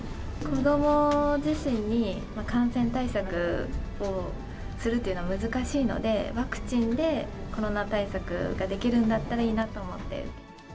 子ども自身に感染対策をするというのは難しいので、ワクチンでコロナ対策ができるんだったらいいなと思って。